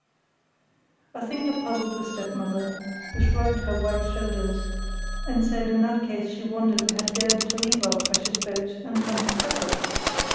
I think I puzzled the stepmother, who shrugged her white shoulders, and said in that case she wondered we had dared to leave our precious boat and come to supper.